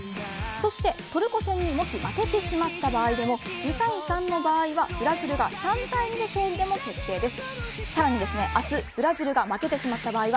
そしてトルコ戦にもし負けてしまった場合でも２対３の場合はブラジルが３対２で勝利でも決定です。